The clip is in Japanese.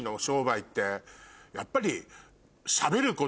やっぱり。